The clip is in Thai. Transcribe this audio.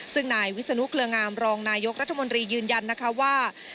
ซึ่งนายวิศนุเกลืองามรองนายกรัฐมนตรียืนยันนะคะว่า